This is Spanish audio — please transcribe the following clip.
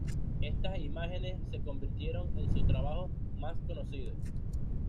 Estas imágenes se convirtieron en su trabajo más conocido.